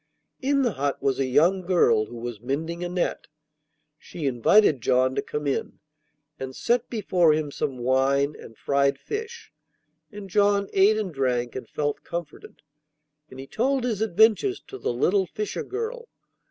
In the hut was a young girl who was mending a net. She invited John to come in, and set before him some wine and fried fish, and John ate and drank and felt comforted, and he told his adventures to the little fisher girl.